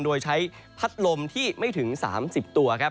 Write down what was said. โดยใช้พัดลมที่ไม่ถึง๓๐ตัวครับ